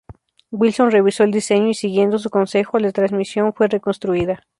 Wilson revisó el diseño y siguiendo su consejo, la transmisión fue reconstruida.